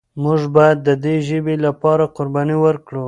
موږ باید د دې ژبې لپاره قرباني ورکړو.